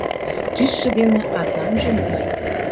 — Тӱсшӧ денеА тамже могай?